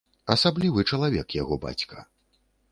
Асаблівы чалавек яго бацька.